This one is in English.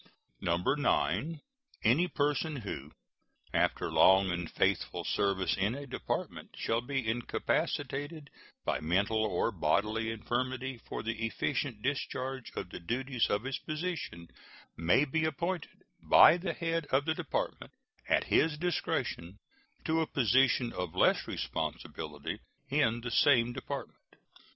9. Any person who, after long and faithful service in a Department, shall be incapacitated by mental or bodily infirmity for the efficient discharge of the duties of his position may be appointed by the head of the Department, at his discretion, to a position of less responsibility in the same Department.